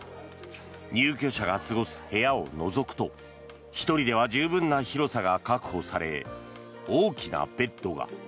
入居者が過ごす部屋をのぞくと１人では十分な広さが確保され大きなベッドが。